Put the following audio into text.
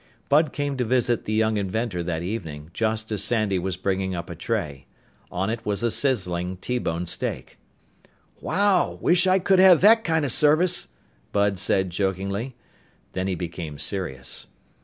Bud came to visit the young inventor that evening, just as Sandy was bringing up a tray. On it was a sizzling T bone steak. "Wow! Wish I could have that kind of service," Bud said jokingly. Then he became serious.